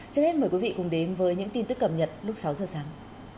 trước hết mời quý vị cùng đến với những tin tức cập nhật lúc sáu giờ sáng